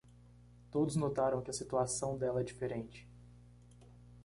Todos notaram que a situação dela é diferente.